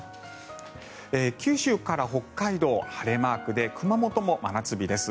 九州から北海道は晴れマークで熊本も真夏日です。